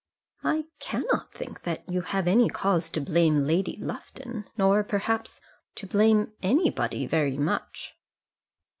"I cannot think that you have any cause to blame Lady Lufton, nor, perhaps, to blame anybody very much."